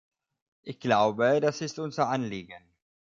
Ich glaube, das ist unser Anliegen.